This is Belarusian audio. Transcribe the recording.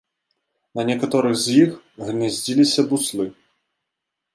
На некаторых з іх гняздзіліся буслы.